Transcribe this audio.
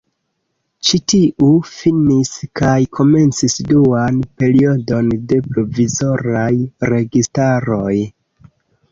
Ĉi tiu finis kaj komencis duan periodon de provizoraj registaroj.